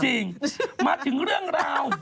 จริงมาถึงเรื่องราว